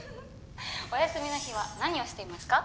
「お休みの日は何をしていますか？」